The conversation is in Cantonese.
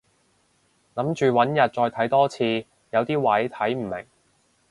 諗住搵日再睇多次，有啲位睇唔明